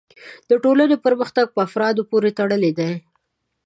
د ټولنې پرمختګ په افرادو پورې تړلی دی.